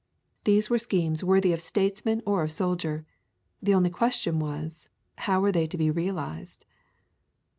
These were schemes worthy of statesman or of soldier. The only question was how were they to be realized?